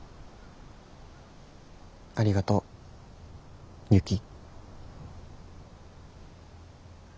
ありがとうユキ。